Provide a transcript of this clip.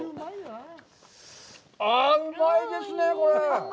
あぁ、うまいですね、これ！